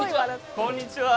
こんにちは。